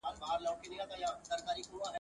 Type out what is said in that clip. چي جوار غنم را نه وړئ له پټیو !.